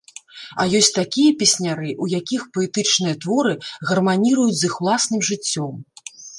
А ёсць такія песняры, у якіх паэтычныя творы гарманіруюць з іх уласным жыццём.